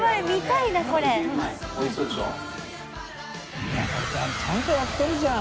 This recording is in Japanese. いこれちゃんとやってるじゃん。